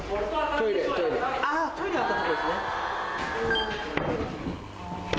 トイレあったとこですね。